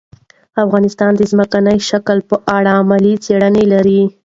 افغانستان د ځمکنی شکل په اړه علمي څېړنې لري.